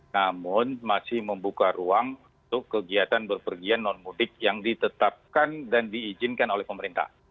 namun masih membuka ruang untuk kegiatan berpergian non mudik yang ditetapkan dan diizinkan oleh pemerintah